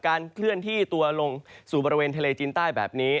เคลื่อนที่ตัวลงสู่บริเวณทะเลจีนใต้แบบนี้